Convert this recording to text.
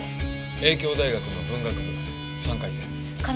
英京大学の文学部３回生です。